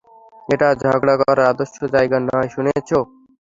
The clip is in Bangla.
এটা ঝগড়া করার আদর্শ জায়গা নয়, শুনেছো?